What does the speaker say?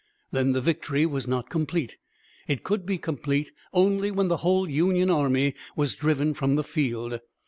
Then the victory was not complete. It could be complete only when the whole Union army was driven from the field.